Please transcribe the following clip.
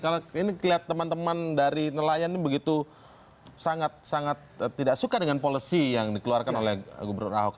karena ini kelihatan teman teman dari nelayan ini begitu sangat sangat tidak suka dengan policy yang dikeluarkan oleh gubernur ahok